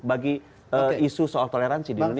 bagi isu soal toleransi di indonesia